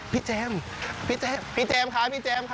เจมส์พี่เจมส์ค่ะพี่เจมส์ค่ะ